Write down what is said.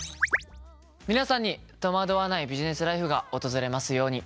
皆さんに戸惑わないビジネスライフが訪れますように。